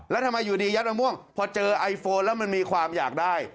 แล้วทำไมอยู่ดียัดมะม่วงพอเจอไอโฟนแล้วมันมีความอยากได้